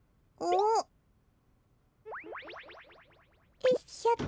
おっ？